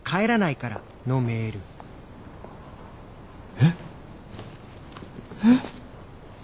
えっ？えっ？